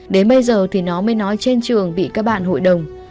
đến bây giờ thì nó mới nói trên trường bị các bạn hội đồng